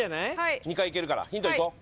２回いけるからヒントいこう。